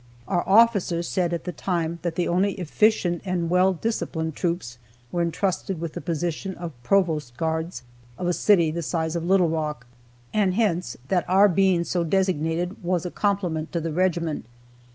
Our officers said at the time that only efficient and well disciplined troops were entrusted with the position of provost guards of a city the size of Little Rock, and hence that our being so designated was a compliment to the regiment.